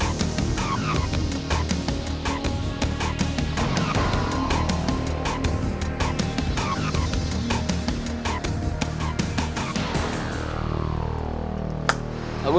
beberapa ayam yang digunggu